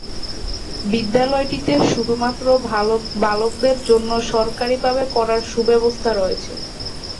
বিদ্যালয়টিতে শুধুমাত্র বালকদের জন্য সরকারিভাবে পড়ার সুব্যবস্থা রয়েছে।